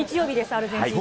アルゼンチン戦。